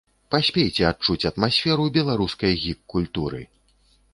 Паспейце адчуць атмасферу беларускай гік-культуры.